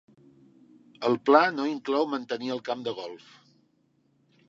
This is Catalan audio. El pla no inclou mantenir el camp de golf.